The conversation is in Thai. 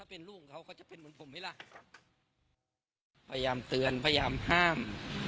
พยายามเตือนพยายามห้าม